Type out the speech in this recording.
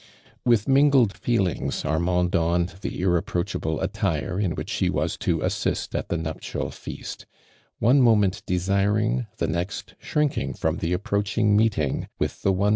'' With mingled feelings Armand tlonned the irreproachable attire in wiiieh he wa» to assist at the nuptial feast, one moment desiring, the next shrinking from the »[ proaching meeting with the one wom.'